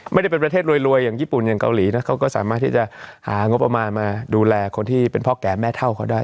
ไม่ได้เป็นประเทศรวยอย่างญี่ปุ่นอย่างเกาหลีนะเขาก็สามารถที่จะหางบประมาณมาดูแลคนที่เป็นพ่อแก่แม่เท่าเขาได้